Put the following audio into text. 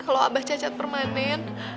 kalau abah cacat permanen